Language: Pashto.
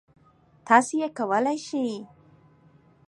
تاسو یې کولی شئ!